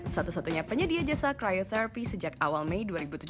satu satunya penyedia jasa cryotherapy sejak awal mei dua ribu tujuh belas